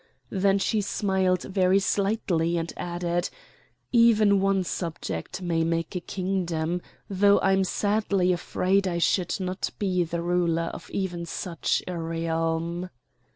Then she smiled very slightly, and added: "Even one subject may make a kingdom; though I'm sadly afraid I should not be the ruler of even such a realm."